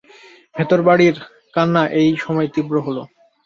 ভেতরবাড়ির কান্না এই সময় তীব্র হল।